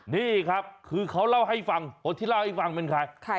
นี่ครับคือเขาเล่าให้ฟังคนที่เล่าให้ฟังเป็นใคร